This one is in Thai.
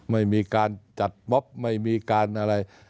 ไม่มีการจัดม็อบไม่มีการอะไร